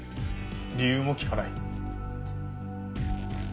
理由も聞かない。